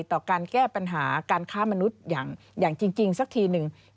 ต่อการแก้ปัญหาการค้ามนุษย์อย่างจริงสักทีหนึ่ง